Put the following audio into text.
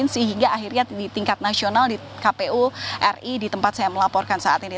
sehingga akhirnya di tingkat nasional di kpu ri di tempat saya melaporkan saat ini